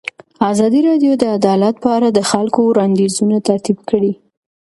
ازادي راډیو د عدالت په اړه د خلکو وړاندیزونه ترتیب کړي.